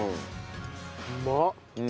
うまっ。